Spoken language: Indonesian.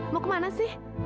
mau kemana sih